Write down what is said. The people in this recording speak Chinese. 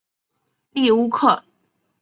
利乌克。